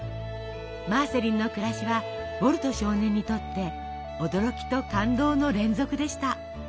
マーセリンの暮らしはウォルト少年にとって驚きと感動の連続でした。